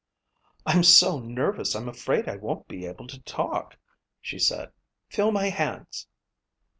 "I'm so nervous I'm afraid I won't be able to talk," she said. "Feel my hands."